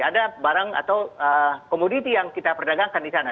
ada barang atau komoditi yang kita perdagangkan di sana